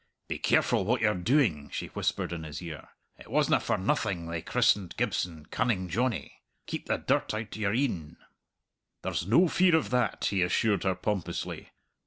"Be careful what you're doing," she whispered in his ear. "It wasna for nothing they christened Gibson 'Cunning Johnny.' Keep the dirt out your een." "There's no fear of that," he assured her pompously.